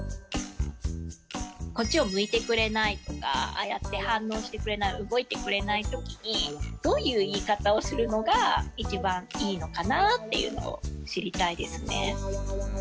こっちを向いてくれないとかああやって反応してくれない動いてくれない時にどういう言い方をするのが一番いいのかなっていうのを知りたいですね。